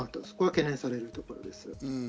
そこが懸念されるところです。